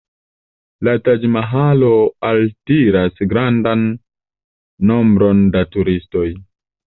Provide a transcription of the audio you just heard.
La Taĝ-Mahalo altiras grandan nombron da turistoj.